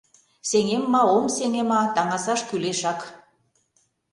Сеҥем ма, ом сеҥе ма — таҥасаш кӱлешак.